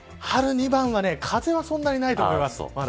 春二番風はそんなにないと思います。